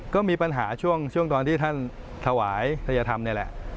ก็มีปัญหาช่วงตอนที่ท่านถวายทัยธรรมนี่แหละ